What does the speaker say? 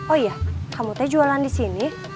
oh ya kamu jualan disini